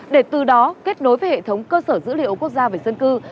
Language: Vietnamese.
để từ đó kết nối với hệ thống cơ sở dữ liệu quốc gia về dân cư